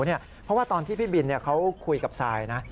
เพราะว่าตอนที่พี่บินเขาคุยกับซายนะ